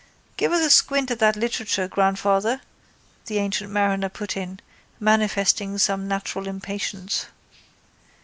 —Give us a squint at that literature, grandfather, the ancient mariner put in, manifesting some natural impatience.